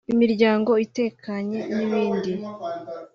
imiryango itekanye n’ibindi